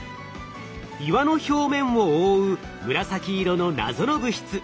岩の表面を覆う紫色の謎の物質。